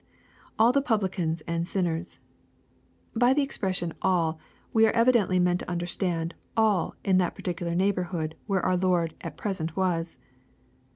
[AU the priblicans and sinners] By the expression "all" we are evidently meant to understand " all" in that particular neighbor hood where our Lord at present was.